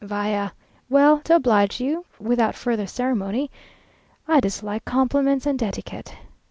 "Vaya, well, to oblige you, without further ceremony; I dislike compliments and etiquette."